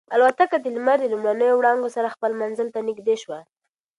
الوتکه د لمر د لومړنیو وړانګو سره خپل منزل ته نږدې شوه.